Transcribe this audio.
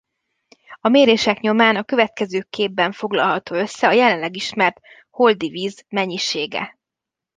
A mérések nyomán a következő képben foglalható össze a jelenleg ismert holdi víz mennyisége.